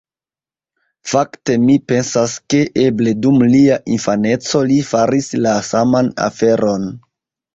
Fakte mi pensas, ke eble dum lia infaneco li faris la saman aferon.